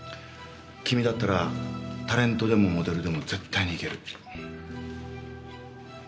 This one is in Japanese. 君だったらタレントでもモデルでも絶対にいける。